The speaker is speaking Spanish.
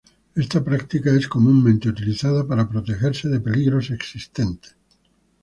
Esta práctica es comúnmente utilizada para protegerse de peligros existentes.